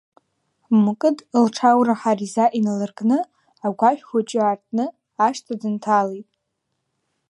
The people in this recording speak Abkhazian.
Мкыд лҽаӷәра Ҳариза иналыркны, агәашә хәыҷы аартны, ашҭа дынҭалеит.